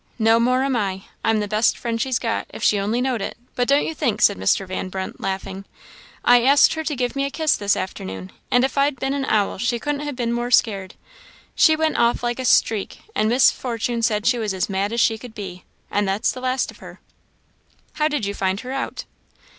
"No more am I. I'm the best friend she's got, if she only knowed it; but don't you think," said Mr. Van Brunt, laughing, "I asked her to give me a kiss this forenoon, and if I'd been an owl she couldn't ha' been more scared; she went off like a streak, and Miss Fortune said she was as mad as she could be, and that's the last of her." "How did you find her out?"